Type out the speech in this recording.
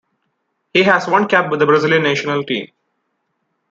He has one cap with the Brazilian national team.